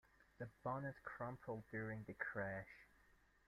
The bonnet crumpled during the crash.